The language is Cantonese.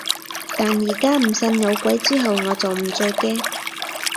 但而家唔信有鬼之後，我就唔再驚